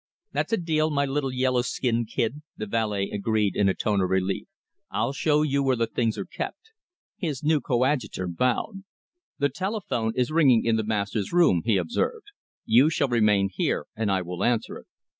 "That's a deal, my little yellow skinned kid," the valet agreed in a tone of relief. "I'll show you where the things are kept." His new coadjutor bowed. "The telephone is ringing in the master's room," he observed. "You shall remain here, and I will answer it."